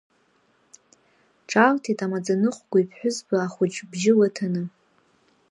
Ҿаалҭит амаӡаныҟәгаҩ ԥҳәызба ахәыҷ бжьы лыҭаны.